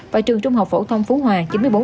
và trường trung học phổ thông phú hòa chín mươi bốn